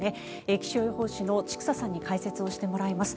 気象予報士の千種さんに解説してもらいます。